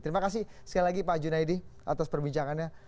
terima kasih sekali lagi pak junaidi atas perbincangannya